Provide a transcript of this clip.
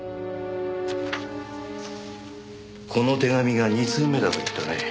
この手紙が２通目だと言ったね。